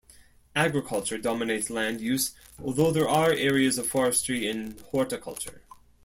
Agriculture dominates land use although there are areas of forestry and horticulture.